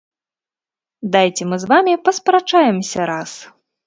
Дайце мы з вамі паспрачаемся раз.